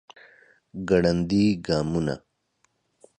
ګړندي ګامونه